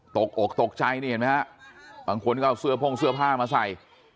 อกตกใจนี่เห็นไหมฮะบางคนก็เอาเสื้อโพ่งเสื้อผ้ามาใส่